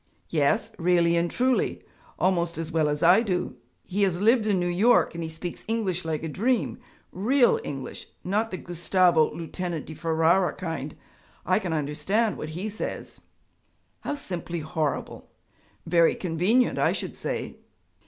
'Yes, really and truly almost as well as I do. He has lived in New York and he speaks English like a dream real English not the Gustavo Lieutenant di Ferara kind. I can understand what he says.' 'How simply horrible!' 'Very convenient, I should say.'